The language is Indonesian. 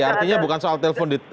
artinya bukan soal telepon